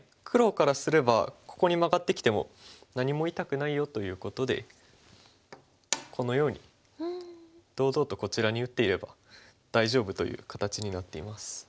黒からすればここにマガってきても何も痛くないよということでこのように堂々とこちらに打っていれば大丈夫という形になっています。